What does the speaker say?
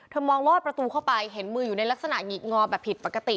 มองลอดประตูเข้าไปเห็นมืออยู่ในลักษณะหงิกงอแบบผิดปกติ